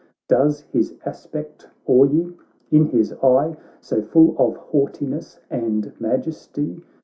does his aspect awe ye? is his eye So full of haughtiness and majesty!